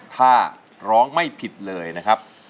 พูดได้